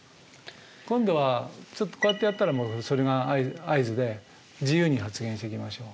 今度はちょっとこうやってやったらそれが合図で自由に発言していきましょう。